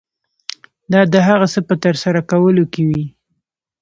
دا د هغه څه په ترسره کولو کې وي.